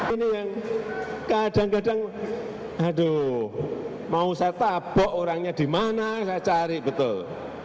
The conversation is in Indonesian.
ini yang kadang kadang aduh mau saya tabok orangnya di mana saya cari betul